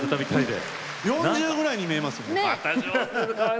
４０ぐらいに見えますよ。